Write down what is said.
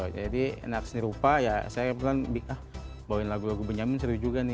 jadi anak seni rupa ya saya kebetulan bawa lagu lagu benjamin seru juga nih ya